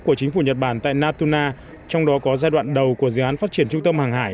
của chính phủ nhật bản tại natuna trong đó có giai đoạn đầu của dự án phát triển trung tâm hàng hải